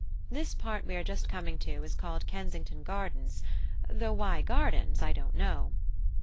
This part we are just coming to is called Kensington Gardens; though why 'gardens' I don't know."